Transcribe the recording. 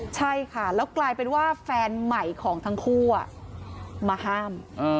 ใช่ค่ะแล้วกลายเป็นว่าแฟนใหม่ของทั้งคู่มาห้าม